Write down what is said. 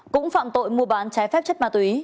cũng phạm tội mua bán trái phép chất ma túy